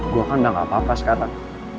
gue kan gak apa apa sekarang